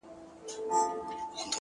• تر ژوندیو مو د مړو لوی قوت دی ,